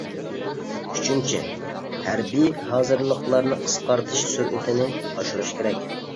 ئۈچىنچى، ھەربىي ھازىرلىقلارنى قىسقارتىش سۈرئىتىنى ئاشۇرۇش كېرەك.